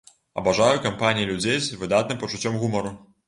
Абажаю кампаніі людзей з выдатным пачуццём гумару.